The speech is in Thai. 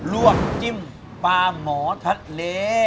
วกจิ้มปลาหมอทะเล